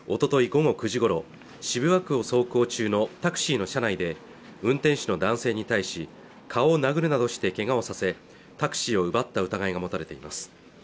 午後９時ごろ渋谷区を走行中のタクシーの車内で運転手の男性に対し顔を殴るなどしてけがをさせタクシーを奪った疑いが持たれています